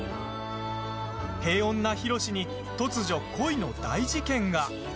平穏なヒロシに突如、恋の大事件が。